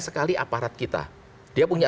sekali aparat kita dia punya